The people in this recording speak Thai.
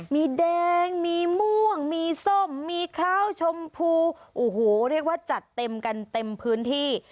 มีแดงมีม่วงมีส้มมีขาวชมพูโอ้โหเรียกว่าจัดเต็มกันเต็มพื้นที่